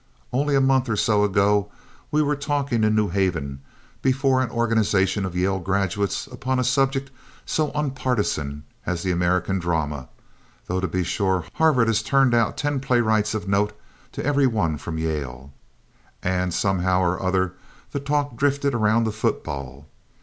Only a month or so ago we were talking in New Haven before an organization of Yale graduates upon a subject so unpartisan as the American drama though to be sure Harvard has turned out ten playwrights of note to every one from Yale and somehow or other the talk drifted around to football.